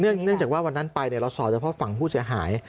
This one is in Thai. เนื่องจากว่าวันนั้นไปเราสอบเฉพาะฝั่งผู้เสียหาย